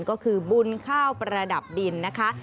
ก็คือบุญข้าวประดับดินนะคะ